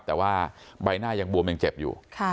แต่ว่าใบหน้ายังบวมยังเจ็บอยู่